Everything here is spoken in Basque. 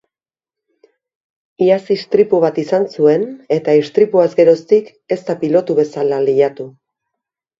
Iaz istripu bat izan zuen eta istripuaz geroztik ez da pilotu bezala lehiatu.